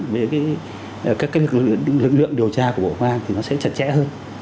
với các lực lượng điều tra của bộ công an thì nó sẽ chặt chẽ hơn